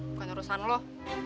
bukan urusan lo